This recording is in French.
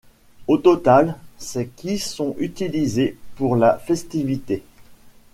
Au total, c'est qui sont utilisés pour la festivité.